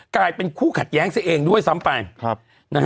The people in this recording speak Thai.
กลายเป็นคู่ขัดแย้งซะเองด้วยซ้ำไป